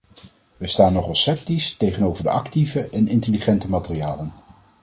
Wij staan nogal sceptisch tegenover de actieve en intelligente materialen.